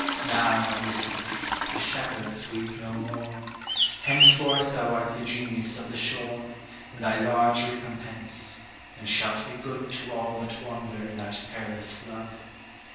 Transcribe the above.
Now, Lycidas, the shepherds weep no more; Henceforth thou art the genius of the shore, In thy large recompense, and shalt be good To all that wander in that perilous flood.